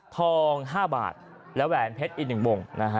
๕บาทและแหวนเพชรอีก๑วง